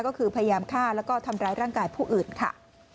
ก็คือพยายามฆ่าแล้วก็ทำร้ายร่างกายผู้อื่นค่ะ